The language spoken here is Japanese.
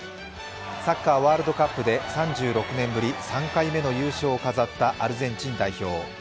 サッカー・ワールドカップで３６年ぶり３回目の優勝を飾ったアルゼンチン代表。